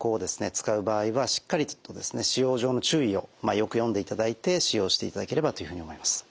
使う場合はしっかりと使用上の注意をよく読んでいただいて使用していただければというふうに思います。